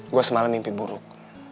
gue semalam mimpi buruk